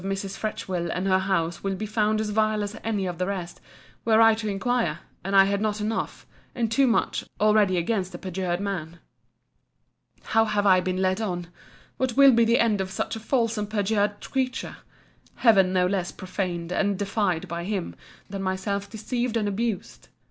I doubt not that the stories of Mrs. Fretchville and her house would be found as vile as any of the rest, were I to inquire; and had I not enough, and too much, already against the perjured man. How have I been led on!—What will be the end of such a false and perjured creature! Heaven not less profaned and defied by him than myself deceived and abused!